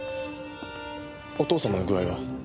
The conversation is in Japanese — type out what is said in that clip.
お父様の具合は？